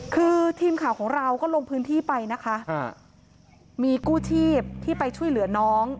คือทีมข่าวของเราก็ลงพื้นที่ไปนะคะมีกู้ชีพที่ไปช่วยเหลือน้อง